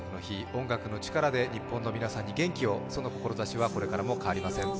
音楽の力で日本の皆さんに元気を、その志はこれからも変わりません。